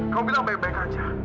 kamu bilang baik baik aja